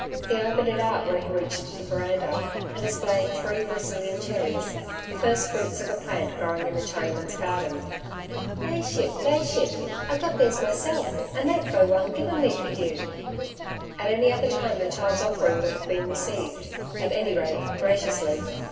He opened it out when he reached the veranda and displayed three Brazilian cherries, the first fruits of a plant growing in the Chinaman's garden. 'La ship ... La ship! I got these myself. I made Fo Wung give 'em me for you.' At any other time the child's offering would have been received, at any rate, graciously.